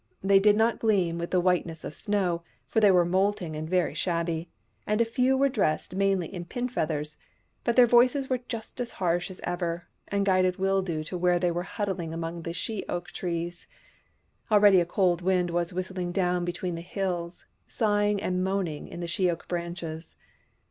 They did not gleam with the whiteness of snow, for they were moulting and very shabby, and a few were dressed mainly in pin feathers ; but their voices were just as harsh as ever, and guided Wildoo to where they were huddling among some she oak trees. Already a cold wind was whistling down between the hills, sighing and moaning in the she oak branches.